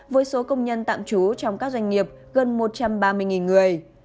với số công nhân tạm trú trong các doanh nghiệp gần một trăm ba mươi người